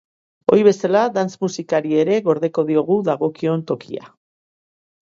Ohi bezala, dance musikari ere gordeko diogu dagokion tokia.